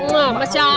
mwah mas chandra